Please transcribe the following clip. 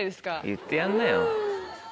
言ってやんなよ。